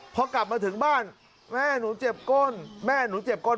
พอกลับมาถึงบ้านแม่หนูเจ็บก้น